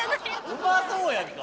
「うまそうやんか！」